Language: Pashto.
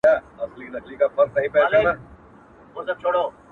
د شپې د راج معراج کي د سندرو ننداره ده؛